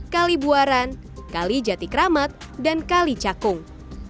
kali buaran kali jatikramat dan kali cakung